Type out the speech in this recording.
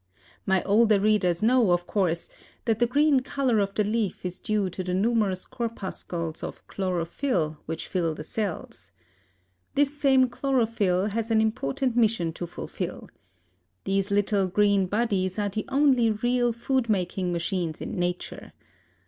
My older readers know, of course, that the green color of the leaf is due to the numerous corpuscles of chlorophyll which fill the cells. This same chlorophyll has an important mission to fulfill. These little green bodies are the only real food making machines in nature.